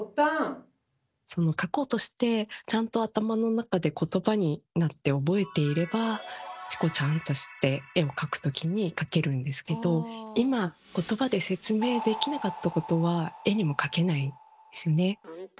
描こうとしてちゃんと頭の中でことばになって覚えていればチコちゃんとして絵を描く時に描けるんですけど今ことばで説明できなかったことは絵にも描けないんですね。